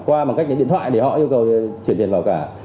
qua bằng cách điện thoại để họ yêu cầu chuyển tiền vào cả